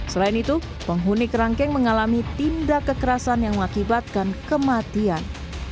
selain itu penghuni kerangkeng mengalami tindak kekerasan yang mengakibatkan kematian